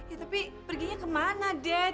ya tapi perginya kemana dad